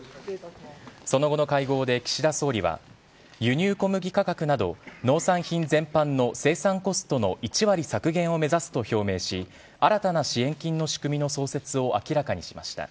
その後の会合で岸田総理は、輸入小麦価格など、農産品全般の生産コストの１割削減を目指すと表明し、新たな支援金の仕組みの創設を明らかにしました。